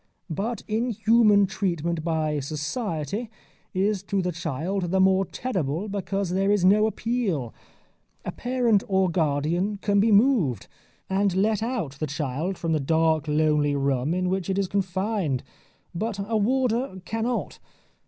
But inhuman treatment by Society is to the child the more terrible because there is no appeal. A parent or guardian can be moved, and let out the child from the dark lonely room in which it is confined. But a warder cannot.